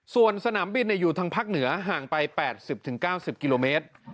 ส่วนสนามบินอยู่ทางภาคเหนือห่างไป๘๐๙๐กิโลเมตร